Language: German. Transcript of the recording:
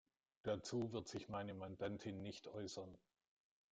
Dazu wird sich meine Mandantin nicht äußern.